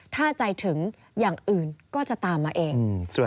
ถ้าใจถึงอย่างอื่นก็จะตามมาเอง